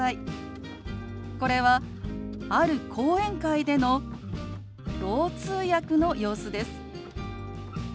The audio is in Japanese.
これはある講演会でのろう通訳の様子です。